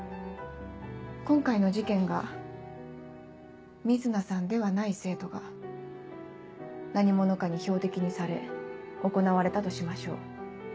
今回の事件が瑞奈さんではない生徒が何者かに標的にされ行われたとしましょう。